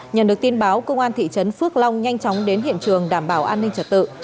nhận được tin báo công an thị trấn phước long nhanh chóng đến hiện trường đảm bảo an ninh trật tự